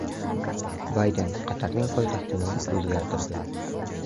Bayden Qatarning poytaxtini "o‘zgartirdi"